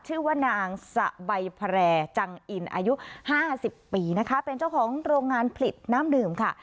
ชื่อว่านางสะใบแพร่จังอินอายุห้าสิบปีนะคะเป็นเจ้าของโรงงานผลิตน้ำดื่มค่ะ